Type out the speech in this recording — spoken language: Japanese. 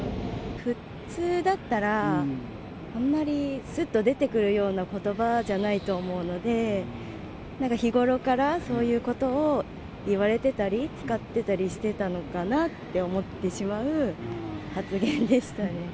普通だったら、あんまりすっと出てくるような言葉じゃないと思うので、なんか日頃からそういうことを言われてたり、使ってたりしてたのかなって思ってしまう発言でしたね。